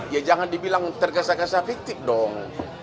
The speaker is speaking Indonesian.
ya jangan dibilang tergesa gesa fiktif dong